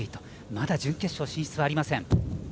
まだ準決勝進出はありません。